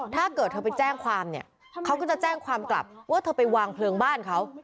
ถ้าเกิดเธอไปแจ้งความเนี่ยเขาก็จะแจ้งความกลับว่าเธอไปวางเพลิงบ้านเขา